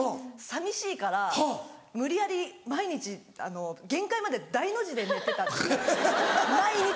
寂しいから無理やり毎日限界まで大の字で寝てたって毎日。